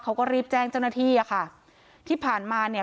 เขาก็รีบแจ้งเจ้าหน้าที่อ่ะค่ะที่ผ่านมาเนี่ย